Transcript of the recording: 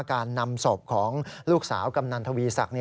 การนำศพของลูกสาวกำนันทวีศักดิ